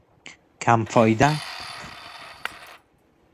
کم فایده